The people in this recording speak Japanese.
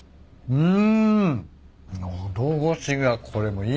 うん。